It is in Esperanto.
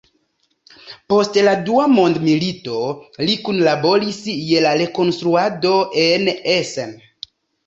Post la Dua Mondmilito li kunlaboris je la rekonstruado en Essen.